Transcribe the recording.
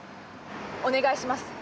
お願いします